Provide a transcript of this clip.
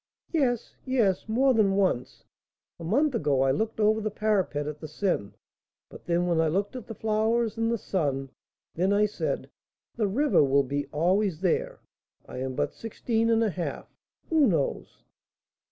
"Yes, yes, more than once. A month ago I looked over the parapet at the Seine; but then, when I looked at the flowers, and the sun, then I said, 'The river will be always there; I am but sixteen and a half, who knows?'"